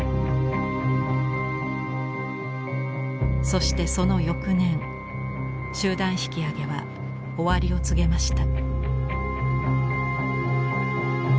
そしてその翌年集団引き揚げは終わりを告げました。